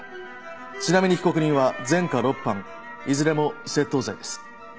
ちなみに被告人は前科６犯いずれも窃盗罪です。